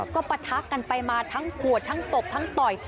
ก็ปะทะกันไปมาทั้งขวดทั้งตบทั้งต่อย